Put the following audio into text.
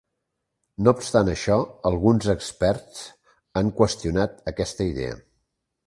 No obstant això, alguns experts han qüestionat aquesta idea.